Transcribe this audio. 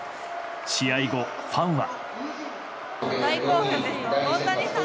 試合後、ファンは。